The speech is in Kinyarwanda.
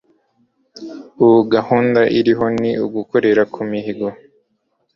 Ubu gahunda iriho ni ugukorera ku mihigo